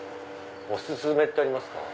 お薦めってありますか？